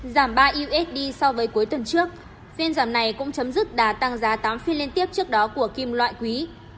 giảm ba usd so với cuối tuần trước phiên giảm này cũng chấm dứt đà tăng giá tám phiên liên tiếp trước đó của kim loại quý